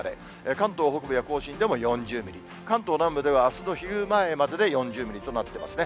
関東北部や甲信でも４０ミリ、関東南部ではあすの昼前までで４０ミリとなってますね。